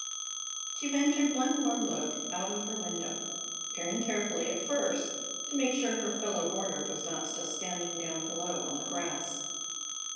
She ventured one more look out of her window, peering carefully at first to make sure her fellow boarder was not still standing down below on the grass.